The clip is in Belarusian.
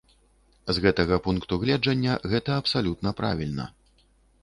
З гэтага пункту гледжання, гэта абсалютна правільна.